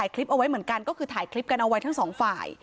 คลิปเอาไว้เหมือนกันก็คือถ่ายคลิปกันเอาไว้ทั้งสองฝ่าย